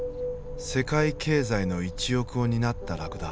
世界経済の一翼を担ったラクダ。